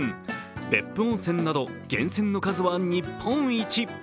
別府温泉など源泉の数は日本一。